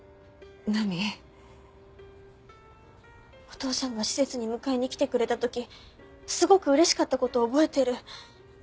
お父さんが施設に迎えに来てくれた時すごく嬉しかった事を覚えてる。